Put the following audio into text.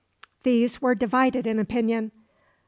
These were divided in opinion.